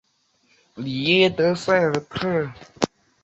通常海马凭借身上体色的伪装及硬化成皮状的皮肤以逃避掠食者。